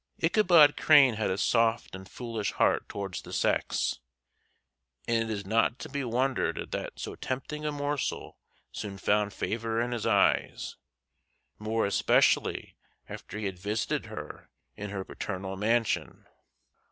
Ichabod Crane had a soft and foolish heart towards the sex, and it is not to be wondered at that so tempting a morsel soon found favor in his eyes, more especially after he had visited her in her paternal mansion.